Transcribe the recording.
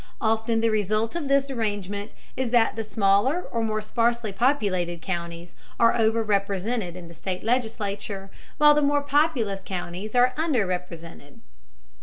Often the result of this arrangement is that the smaller or more sparsely populated counties are over represented in the state legislature, while the more populous counties are under represented.